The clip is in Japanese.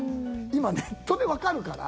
今、ネットでわかるから。